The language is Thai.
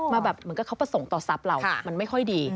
เหมือนกับเค้าไปส่งต่อทรัพย์เรามันไม่ค่อยดี